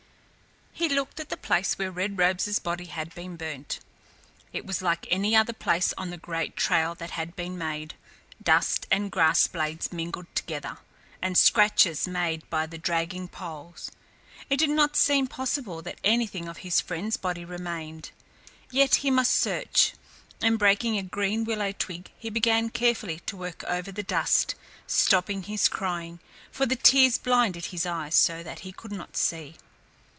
He looked at the place where Red Robe's body had been burnt. It was like any other place on the great trail that had been made, dust and grass blades mingled together, and scratches made by the dragging poles. It did not seem possible that anything of his friend's body remained; yet he must search, and breaking a green willow twig he began carefully to work over the dust, stopping his crying, for the tears blinded his eyes so that he could not see.